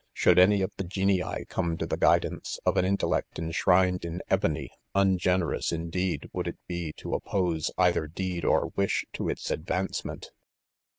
Should any of the "genii" come to the guidance of an intellect enshrined in ebony, ungenerous, indeed, would it be to. oppose either deed or wish to its advancement.